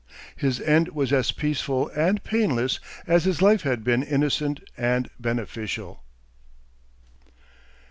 His end was as peaceful and painless as his life had been innocent and beneficial.